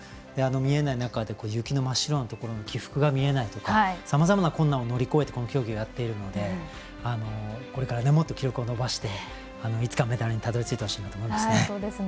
見えない中で、雪の真っ白な起伏が見えないとかさまざまな困難を乗り越えて競技をやっているのでこれからもっと記録を伸ばしてメダルにたどり着いてほしいなと思います。